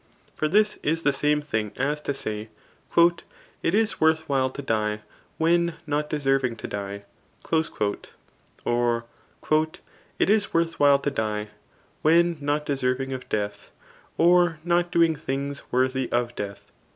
For this is the same thing as to say, *^ It is worth while to die, when not deserving to die." Or, " It is worth while to die^ when not deserving of death, or not doing things wor« thy of death."